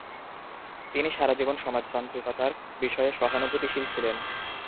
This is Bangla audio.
তিনি সারাজীবন সমাজতান্ত্রিকতার বিষয়ে সহানুভূতিশীল ছিলেন।